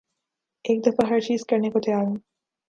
ایک دفعہ ہر چیز کرنے کو تیار ہوں